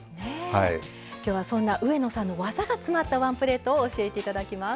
今日はそんな上野さんの技が詰まったワンプレートを教えて頂きます。